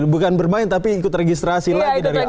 bukan bermain tapi ikut registrasi lagi dari awal